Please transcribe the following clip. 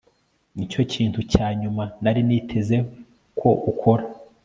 nicyo kintu cya nyuma nari niteze ko ukora